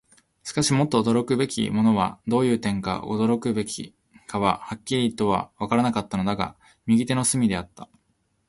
しかし、もっと驚くべきものは、どういう点が驚くべきかははっきりとはわからなかったのだが、右手の隅であった。